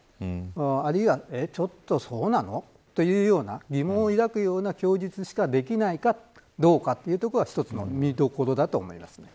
あるいは、ちょっとそうなのというような疑問を抱くような供述しかできないかどうかというところが一つの見どころだと思います。